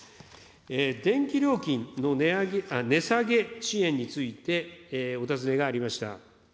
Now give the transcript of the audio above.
電気料金の値下げ支援についてお尋ねがありました。